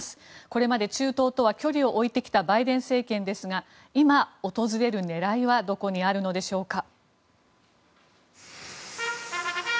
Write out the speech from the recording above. これまで中東とは距離を置いてきたバイデン政権ですが今、訪れる狙いはどこにあるのでしょうか。